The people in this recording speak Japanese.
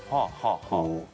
こう。